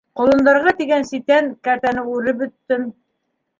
— Ҡолондарға тигән ситән кәртәне үреп бөттөм.